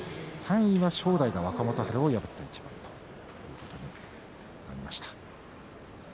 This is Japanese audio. ３位は正代が若元春を破った一番となりました。